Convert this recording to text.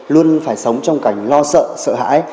luôn phải sống trong cảnh lo sợ sợ hãi